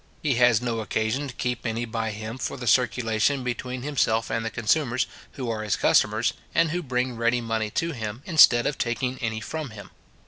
He has no occasion to keep any by him for the circulation between himself and the consumers, who are his customers, and who bring ready money to him, instead of taking any from him.